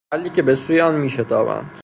محلی که به سوی آن میشتابند